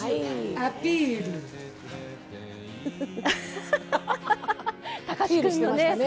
アピールしてましたね。